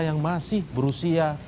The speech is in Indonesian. yang masih berusia